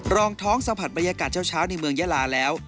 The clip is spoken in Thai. รองท้องสัมผัสบรรยากาศเช้าในเมืองยาลาแล้ว